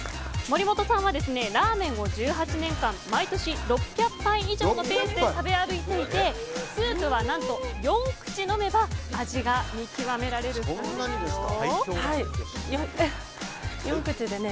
森本さんはラーメンを１８年間毎年６００杯以上のペースで食べ歩いていてスープは何と４口飲めば味が見極められるそうです。